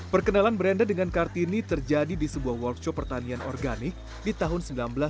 perkenalan brenda dengan kartini terjadi di sebuah workshop pertanian organik di tahun seribu sembilan ratus sembilan puluh